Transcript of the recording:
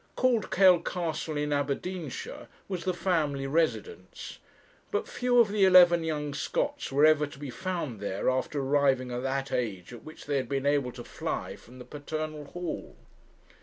Cauldkail Castle, in Aberdeenshire, was the family residence; but few of the eleven young Scotts were ever to be found there after arriving at that age at which they had been able to fly from the paternal hall.